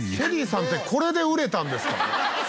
ＳＨＥＬＬＹさんってこれで売れたんですか？